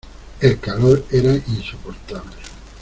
el calor era insoportable.